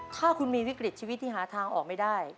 ถ้าคุณมีวิกฤตชีวิตที่หาทางออกไม่ได้